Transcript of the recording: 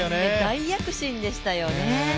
大躍進でしたよね。